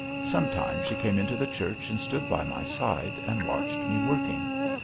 Sometimes she came into the church and stood by my side and watched me working.